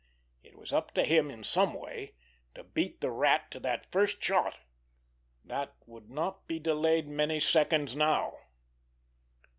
It was up to him in some way to beat the Rat to that first shot, that would not be delayed many seconds now.